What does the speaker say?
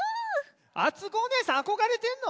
あつこおねえさんあこがれてんの？